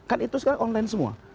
kan itu sekarang online semua